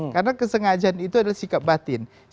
karena kesengajaan itu adalah sikap batin